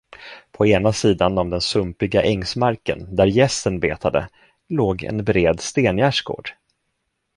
På ena sidan om den sumpiga ängsmarken, där gässen betade, låg en bred stengärdsgård.